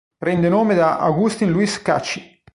Prende nome da Augustin-Louis Cauchy.